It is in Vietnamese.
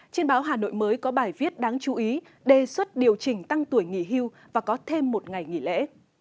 trên báo hà nội mới có bài viết đáng chú ý đề xuất điều chỉnh tăng tuổi nghỉ hưu và có thêm một ngày nghỉ lễ